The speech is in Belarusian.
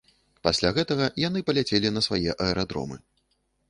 Пасля гэтага яны паляцелі на свае аэрадромы.